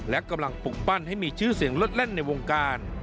และกำลังปลูกปั้นให้มีชื่อเสียงลดแล่นในวงการ